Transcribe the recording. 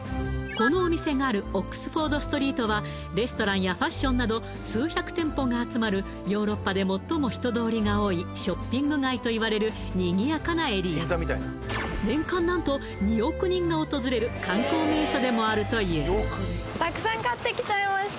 このお店があるオックスフォードストリートはレストランやファッションなど数百店舗が集まるヨーロッパで最も人通りが多いショッピング街といわれるにぎやかなエリア何とでもあるというロンドン一の観光名所